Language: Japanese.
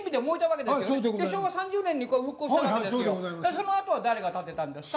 そのあとは誰が建てたんですか？